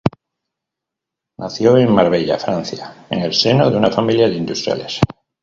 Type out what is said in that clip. Nació en Marsella, Francia, en el seno de una familia de industriales.